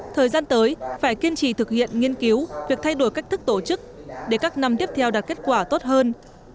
thời gian tới phải kiên trì thực hiện nghiên cứu việc thay đổi cách thức tổ chức để các năm tiếp theo đạt kết quả tốt hơn